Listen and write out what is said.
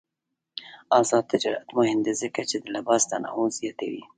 آزاد تجارت مهم دی ځکه چې د لباس تنوع زیاتوي.